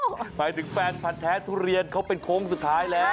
หมายถึงแฟนพันธ์แท้ทุเรียนเขาเป็นโค้งสุดท้ายแล้ว